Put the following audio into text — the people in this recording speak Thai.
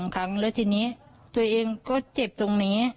ครั้งแล้วทีนี้ตัวเองก็เจ็บตรงนี้